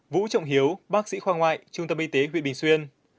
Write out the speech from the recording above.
vũ trọng hiếu bác sĩ khoa ngoại trung tâm y tế huyện bình xuyên